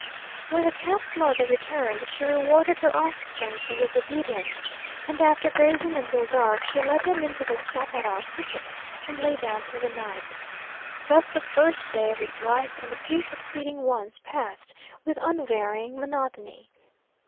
When the calf's mother returned she rewarded her offspring for his obedience, and after grazing until dark, she led him into the chaparral thicket and lay down for the night. Thus the first day of his life and a few succeeding ones passed with unvarying monotony.